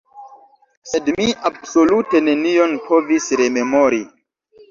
Sed mi absolute nenion povis rememori.